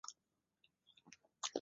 官至江西粮道。